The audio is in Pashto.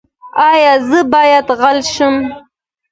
ایا زه باید غل شم؟